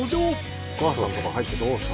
お母さんとか入ってどうしたんだろう？